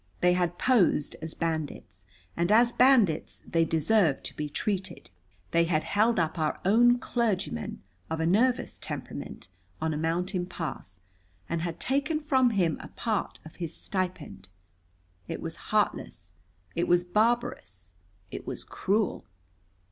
They had posed as bandits, and as bandits they deserved to be treated. They had held up our own clergyman, of a nervous temperament, on a mountain pass, and had taken from him a part of his stipend. It was heartless. It was barbarous. It was cruel.